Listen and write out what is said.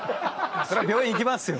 そりゃ病院行きますよ。